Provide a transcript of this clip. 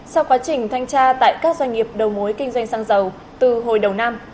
sau quá trình thanh tra tại các doanh nghiệp đầu mối kinh doanh sang giàu từ hồi đầu năm